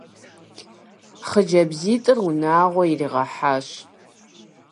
Хъыджэбзитӏыр унагъуэ иригъэхьащ.